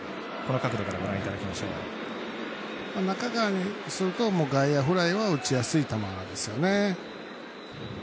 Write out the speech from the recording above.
中川からすると、外野フライは打ちやすい球ですよね。